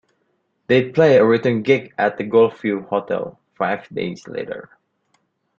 They played a return gig at the Golfview Hotel five days later.